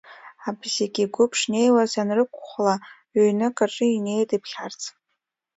Абзик игәыԥ шнеиуаз ианрықәхәла, ҩнык аҿы инеит иԥхьарц.